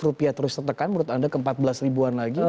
rupiah terus tertekan menurut anda ke empat belas ribuan lagi